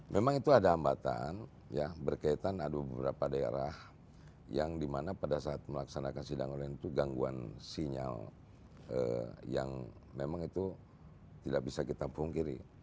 memang itu ada hambatan ya berkaitan ada beberapa daerah yang dimana pada saat melaksanakan sidang online itu gangguan sinyal yang memang itu tidak bisa kita pungkiri